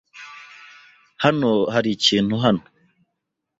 Hano hari ikintu hano.